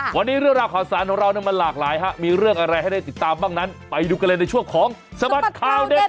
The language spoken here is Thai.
วันนี้เรื่องราวข่าวสารของเรามันหลากหลายมีเรื่องอะไรให้ได้ติดตามบ้างนั้นไปดูกันเลยในช่วงของสบัดข่าวเด็ด